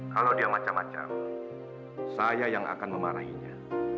kalau dia macam macam saya yang akan memarahinya